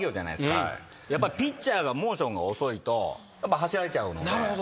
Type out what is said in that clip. ピッチャーがモーションが遅いと走られちゃうので。